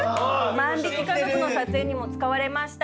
「万引き家族」の撮影にも使われました